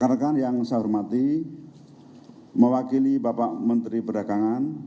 rekan yang saya hormati mewakili bapak menteri perdagangan